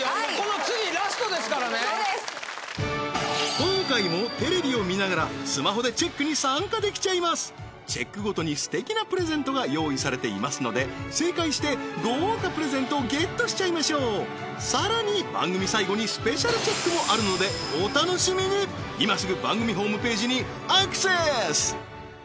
今回もテレビを見ながらスマホでチェックに参加できちゃいますチェックごとにすてきなプレゼントが用意されていますので正解して豪華プレゼントをゲットしちゃいましょうさらに番組さいごにスペシャルチェックもあるのでお楽しみにいますぐ番組ホームページにアクセス